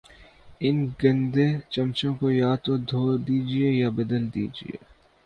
ان گدے چمچوں کو یا تو دھو دیجئے یا بدل دیجئے